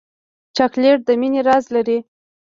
چاکلېټ د مینې راز لري.